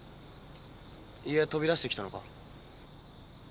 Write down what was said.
家飛び出してきたのか？